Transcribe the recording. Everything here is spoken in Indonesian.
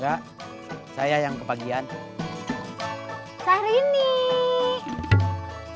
bagaimana bisa nazri amir bisa sekali lebih treasure sekan